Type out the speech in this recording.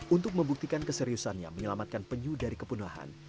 untuk membuktikan keseriusannya menyelamatkan penyu dari kepunahan